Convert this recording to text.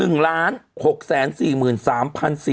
อืม